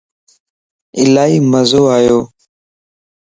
الائي مزو آيوو